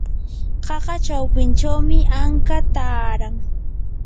qaqa chawpinchawmi anka taaran.